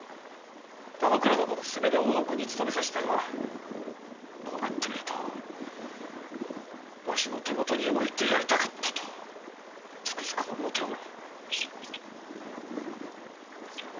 田之倉殿の勧めで大奥に勤めさせたがこうなってみるとわしの手もとに置いてやりたかったとつくづく思うておる。